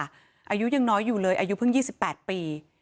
อายุยังน้อยอยู่เลยอายุเพิ่ง๒๘ปี